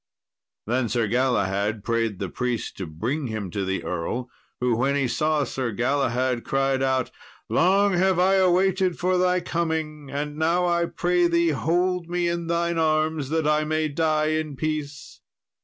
Then Sir Galahad prayed the priest to bring him to the earl; who, when he saw Sir Galahad, cried out, "Long have I waited for thy coming, and now I pray thee hold me in thine arms that I may die in peace."